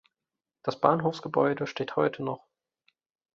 Das Bahnhofsgebäude steht heute noch.